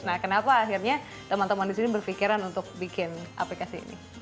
nah kenapa akhirnya teman teman di sini berpikiran untuk bikin aplikasi ini